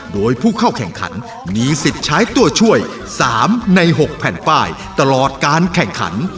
โดยผู้เข้าแข่งขันมีสิทธิ์ใช้ตัวช่วย๓ใน๖แผ่นป้ายตลอดการแข่งขัน